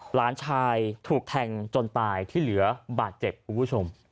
หลานชายถูกแทงจนตายที่เหลือบาดเจ็บคุณผู้ชม